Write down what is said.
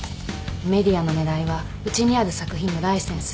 ＭＥＤＩＡの狙いはうちにある作品のライセンス。